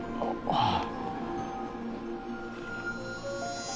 ああ。